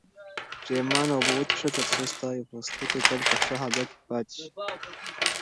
پرېمانه اوبه وڅښه ترڅو ستا پوستکی تل په ښه حالت کې پاتې شي.